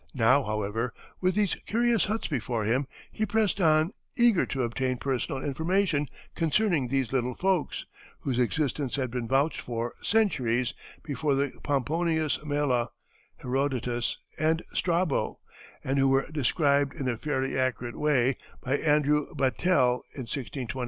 Now, however, with these curious huts before him he pressed on eager to obtain personal information concerning these little folks, whose existence had been vouched for centuries before by Pomponius Mela, Herodotus, and Strabo, and who were described in a fairly accurate way, by Andrew Battell, in 1625.